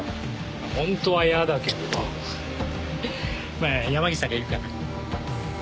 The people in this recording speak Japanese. まあ山岸さんが言うから。